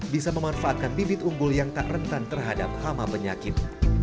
bisa memanfaatkan bibit unggul yang tak rentan terhadap hama penyakit